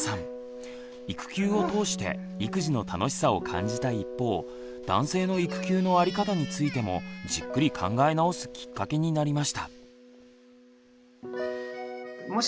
育休を通して育児の楽しさを感じた一方男性の育休の在り方についてもじっくり考え直すきっかけになりました。